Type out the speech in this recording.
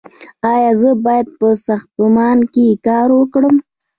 ایا زه باید په ساختمان کې کار وکړم؟